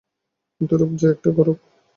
কিন্তু, রূপ যে একটা গৌরব।